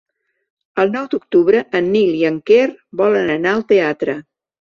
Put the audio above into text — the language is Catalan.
El nou d'octubre en Nil i en Quer volen anar al teatre.